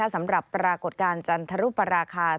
สำหรับปรากฏการณ์จันทร์ธรุปลาคา